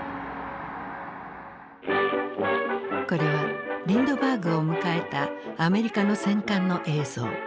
これはリンドバーグを迎えたアメリカの戦艦の映像。